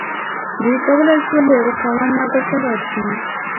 دوی کولی شول له یوه خاوند نه بل ته لاړ شي.